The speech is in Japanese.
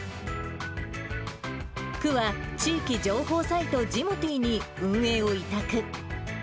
区は、地域情報サイトジモティーに運営を委託。